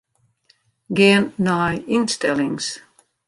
Gean nei ynstellings.